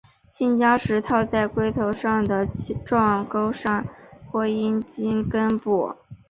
性交时套在龟头的状沟上或阴茎根部。